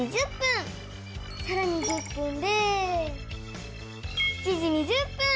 さらに１０分で７時２０分！